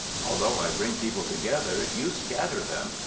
"Although I bring people together, you scatter them.